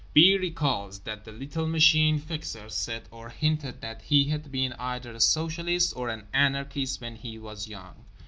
B. recalls that the little Machine Fixer said or hinted that he had been either a socialist or an anarchist when he was young.